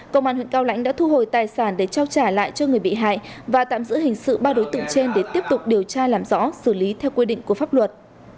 công an huyện cao lãnh đã thu hồi tài sản để trao trả lại cho người bị hại và tạm giữ hình sự ba đối tượng trên để tiếp tục điều tra làm rõ xử lý theo quy định của pháp luật